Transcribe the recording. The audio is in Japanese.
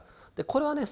これはね